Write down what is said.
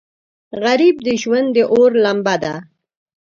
غریب د ژوند د اور لمبه ده